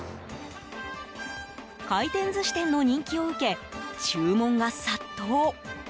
回転寿司店の人気を受け注文が殺到。